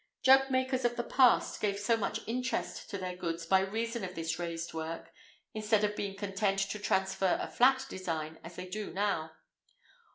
Jug makers of the past gave so much interest to their goods by reason of this raised work, instead of being content to transfer a flat design as they do now.